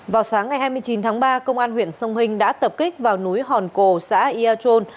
vào sáng ngày hai mươi chín tháng ba công an huyện sông hinh đã tập kích vào núi hòn cồ xã yà trôn